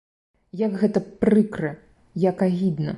Як гэта прыкра, як агідна!